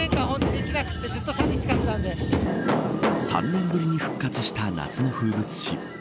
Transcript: ３年ぶりに復活した夏の風物詩。